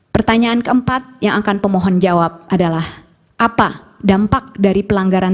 pertanyaan keempat yang akan pemohon jawab adalah apa dampak dari pelanggaran